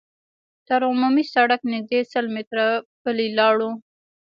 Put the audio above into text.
تر عمومي سړکه نږدې سل متره پلي لاړو.